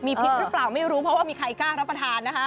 พริกหรือเปล่าไม่รู้เพราะว่ามีใครกล้ารับประทานนะคะ